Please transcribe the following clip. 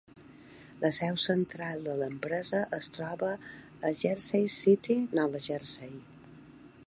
La seu central de l'empresa es troba a Jersey City, Nova Jersey.